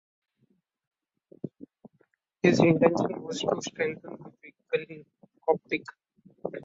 His intention was to strengthen the weakening Coptic.